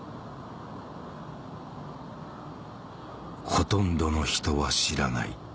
ほとんどの人は知らない